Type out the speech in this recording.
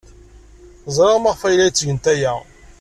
Ẓriɣ maɣef ay la ttgent aya.